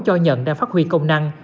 cho nhận đang phát huy công năng